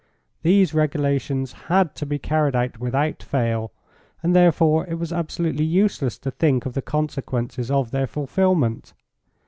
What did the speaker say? These regulations had to be carried out without fail, and therefore it was absolutely useless to think of the consequences of their fulfilment.